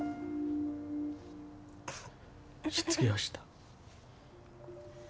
失業した。